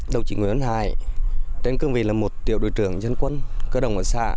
đồng chí nguyễn văn hải trên cương vị là một tiểu đội trưởng dân quân cơ đồng ở xã